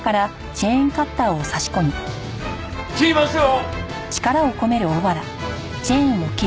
切りますよ！